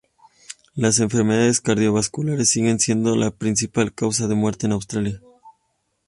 Las enfermedades cardiovasculares siguen siendo la principal causa de muerte en Australia.